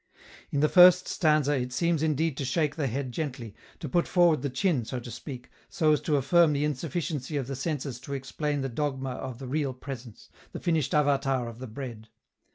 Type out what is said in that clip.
In the first stanza it seems indeed to shake the head gently, to put forward the chin, so to speak, so as to affirm the insufficiency of the senses to explain the dogma of the real presence, the finished avalar of the Bread.